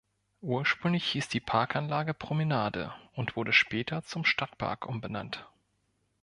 Ursprünglich hieß die Parkanlage "Promenade" und wurde später zum "Stadtpark" umbenannt.